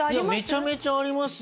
めちゃめちゃありますよ